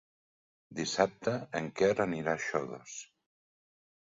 Dissabte en Quer anirà a Xodos.